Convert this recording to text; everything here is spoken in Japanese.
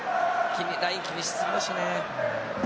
ラインを気にしすぎましたね。